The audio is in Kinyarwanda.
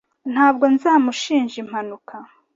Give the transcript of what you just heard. Ntabwo nzamushinja impanuka